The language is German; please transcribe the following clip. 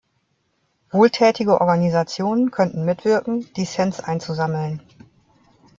Wohltätige Organisationen könnten mitwirken, die Cents einzusammeln.